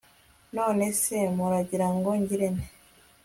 none se muragira ngo ngire nte